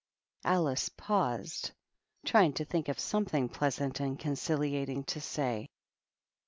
Alice paused, trying to think of something pleasant and conciliating to say.